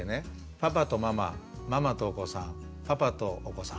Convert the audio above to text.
パパとママママとお子さんパパとお子さん。